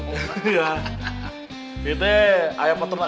itu ayam peternakan gajah gak pak